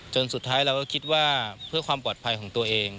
สุดท้ายเราก็คิดว่าเพื่อความปลอดภัยของตัวเอง